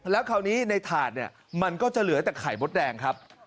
แล้วคราวนี้ในถาดเนี่ยมันก็จะเหลือแต่ไข่มดแดงครับ